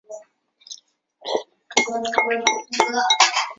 她喜欢乡下的生活